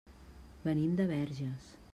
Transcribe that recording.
Venim de Verges.